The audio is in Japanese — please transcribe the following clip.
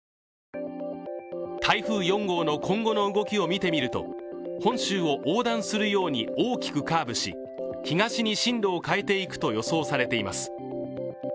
台風４号の今後の動きを見てみると本州を横断するように大きくカーブし東に進路を変えていくと予想されています。